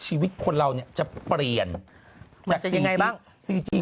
ชีวิตคนเราเนี้ยจะเปลี่ยนมันจะยังไงบ้าง